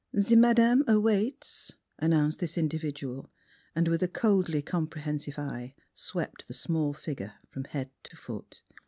"Ze madame waits," an lO Miss Philura nounced this individual, and with a coldly comprehensive eye swept the small figure from head to foot.